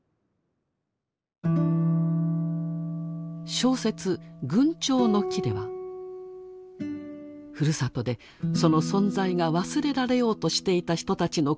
小説「群蝶の木」ではふるさとでその存在が忘れられようとしていた人たちのことを書きました。